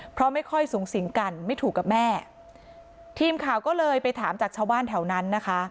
เพราะไม่ค่อยสูงสิงกันไม่ถูกกับแม่ทีมข่าวก็เลยไปถามจากชาวบ้านแถวนั้นนะคะ